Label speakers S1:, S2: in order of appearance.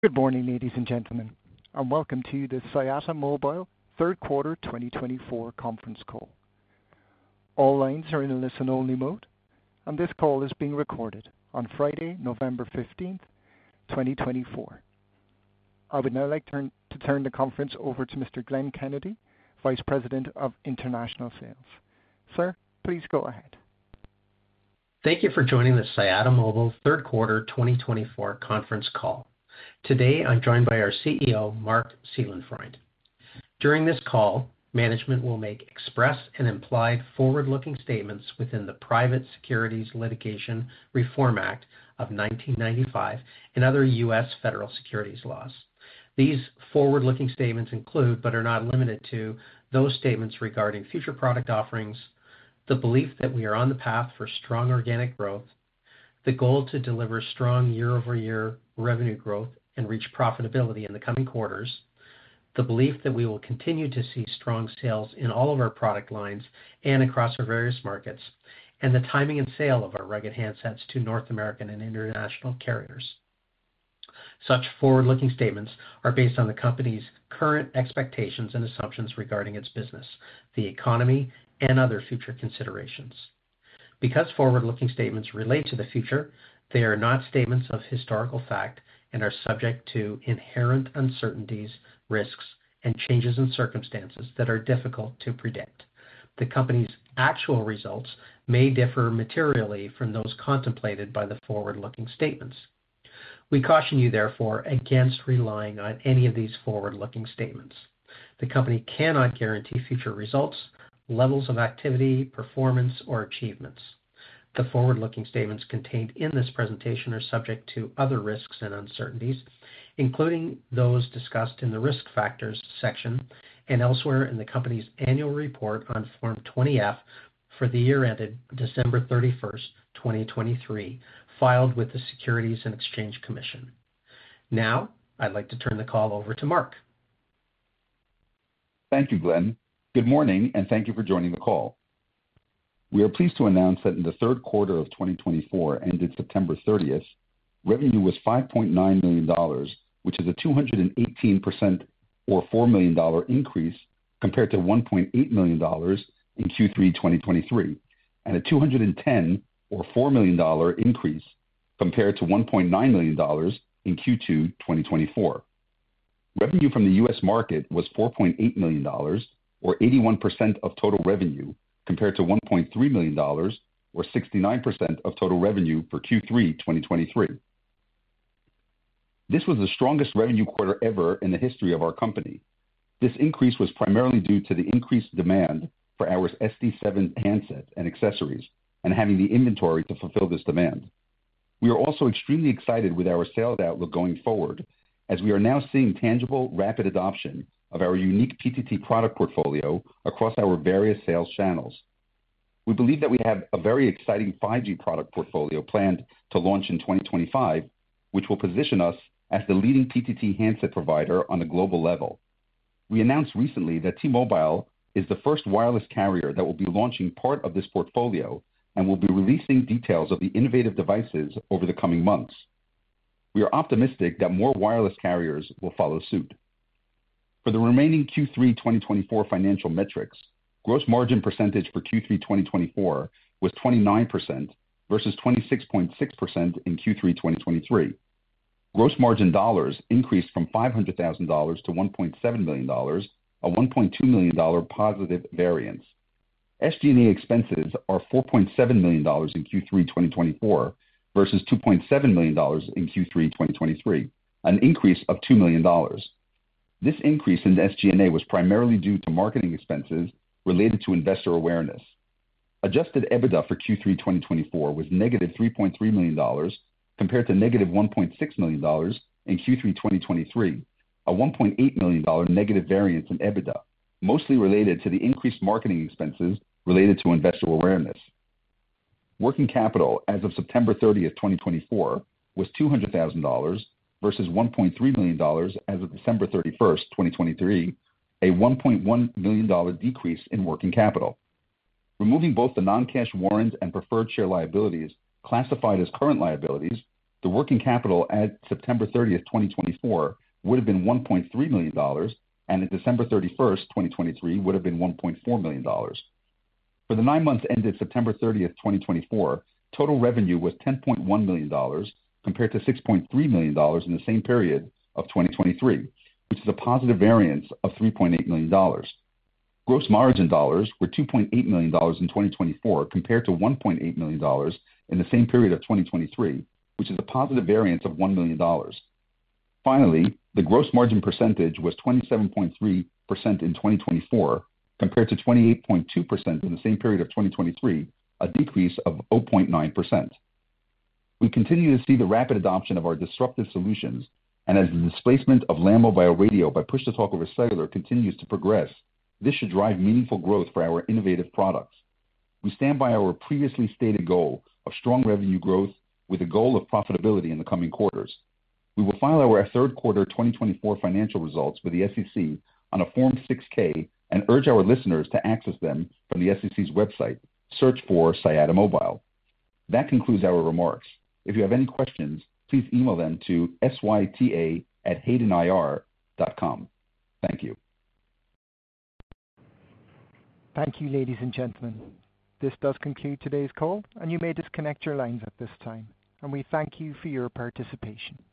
S1: Good morning, ladies and gentlemen, and welcome to the Siyata Mobile third quarter 2024 conference call. All lines are in a listen-only mode, and this call is being recorded on Friday, November 15th, 2024. I would now like to turn the conference over to Mr. Glenn Kennedy, Vice President of International Sales. Sir, please go ahead.
S2: Thank you for joining the Siyata Mobile third quarter 2024 conference call. Today, I'm joined by our CEO, Marc Seelenfreund. During this call, management will make express and implied forward-looking statements within the Private Securities Litigation Reform Act of 1995 and other U.S. federal securities laws. These forward-looking statements include, but are not limited to, those statements regarding future product offerings, the belief that we are on the path for strong organic growth, the goal to deliver strong year-over-year revenue growth and reach profitability in the coming quarters, the belief that we will continue to see strong sales in all of our product lines and across our various markets, and the timing and sale of our rugged handsets to North American and international carriers. Such forward-looking statements are based on the company's current expectations and assumptions regarding its business, the economy, and other future considerations. Because forward-looking statements relate to the future, they are not statements of historical fact and are subject to inherent uncertainties, risks, and changes in circumstances that are difficult to predict. The company's actual results may differ materially from those contemplated by the forward-looking statements. We caution you, therefore, against relying on any of these forward-looking statements. The company cannot guarantee future results, levels of activity, performance, or achievements. The forward-looking statements contained in this presentation are subject to other risks and uncertainties, including those discussed in the risk factors section and elsewhere in the company's annual report on Form 20-F for the year ended December 31st, 2023, filed with the Securities and Exchange Commission. Now, I'd like to turn the call over to Marc.
S3: Thank you, Glenn. Good morning, and thank you for joining the call. We are pleased to announce that in the third quarter of 2024, ended September 30th, revenue was $5.9 million, which is a 218% or $4 million increase compared to $1.8 million in Q3 2023, and a 210% or $4 million increase compared to $1.9 million in Q2 2024. Revenue from the U.S. market was $4.8 million, or 81% of total revenue, compared to $1.3 million, or 69% of total revenue for Q3 2023. This was the strongest revenue quarter ever in the history of our company. This increase was primarily due to the increased demand for our SD7 handsets and accessories and having the inventory to fulfill this demand. We are also extremely excited with our sales outlook going forward, as we are now seeing tangible, rapid adoption of our unique PTT product portfolio across our various sales channels. We believe that we have a very exciting 5G product portfolio planned to launch in 2025, which will position us as the leading PTT handset provider on a global level. We announced recently that T-Mobile is the first wireless carrier that will be launching part of this portfolio and will be releasing details of the innovative devices over the coming months. We are optimistic that more wireless carriers will follow suit. For the remaining Q3 2024 financial metrics, gross margin percentage for Q3 2024 was 29% versus 26.6% in Q3 2023. Gross margin dollars increased from $500,000 to $1.7 million, a $1.2 million positive variance. SG&A expenses are $4.7 million in Q3 2024 versus $2.7 million in Q3 2023, an increase of $2 million. This increase in SG&A was primarily due to marketing expenses related to investor awareness. Adjusted EBITDA for Q3 2024 was -$3.3 million compared to negative $1.6 million in Q3 2023, a $1.8 million negative variance in EBITDA, mostly related to the increased marketing expenses related to investor awareness. Working capital as of September 30th, 2024, was $200,000 versus $1.3 million as of December 31st, 2023, a $1.1 million decrease in working capital. Removing both the non-cash warrants and preferred share liabilities classified as current liabilities, the working capital at September 30th, 2024, would have been $1.3 million, and at December 31st, 2023, would have been $1.4 million. For the nine months ended September 30th, 2024, total revenue was $10.1 million compared to $6.3 million in the same period of 2023, which is a positive variance of $3.8 million. Gross margin dollars were $2.8 million in 2024 compared to $1.8 million in the same period of 2023, which is a positive variance of $1 million. Finally, the gross margin percentage was 27.3% in 2024 compared to 28.2% in the same period of 2023, a decrease of 0.9%. We continue to see the rapid adoption of our disruptive solutions, and as the displacement of Land Mobile Radio by Push-to-Talk over cellular continues to progress, this should drive meaningful growth for our innovative products. We stand by our previously stated goal of strong revenue growth with a goal of profitability in the coming quarters. We will file our third quarter 2024 financial results with the SEC on a Form 6-K and urge our listeners to access them from the SEC's website, search for Siyata Mobile. That concludes our remarks. If you have any questions, please email them to syta@haydenir.com. Thank you.
S1: Thank you, ladies and gentlemen. This does conclude today's call, and you may disconnect your lines at this time, and we thank you for your participation.